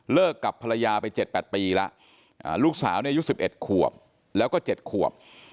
เลิกกับภรรยาไปเจ็ดแปดปีแล้วลูกสาวนี่อายุ๑๑ขวบแล้วก็๗ขวบ